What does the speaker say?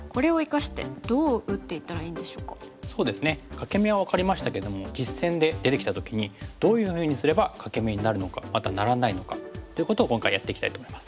欠け眼は分かりましたけども実戦で出てきた時にどういうふうにすれば欠け眼になるのかまたならないのか。ということを今回やっていきたいと思います。